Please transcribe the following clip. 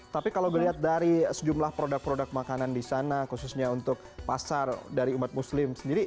tapi kalau dilihat dari sejumlah produk produk makanan di sana khususnya untuk pasar dari umat muslim sendiri